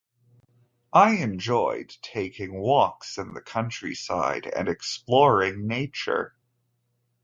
I enjoyed taking walks in the countryside and exploring nature.